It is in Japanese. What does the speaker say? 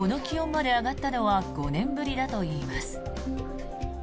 都心でこの気温まで上がったのは５年ぶりだといいます。